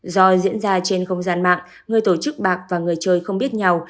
do diễn ra trên không gian mạng người tổ chức bạc và người chơi không biết nhau